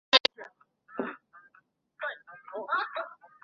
和平街道是中国黑龙江省齐齐哈尔市富拉尔基区下辖的一个街道。